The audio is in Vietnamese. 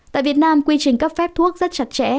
tại việt nam quy trình cấp phép thuốc rất chặt chẽ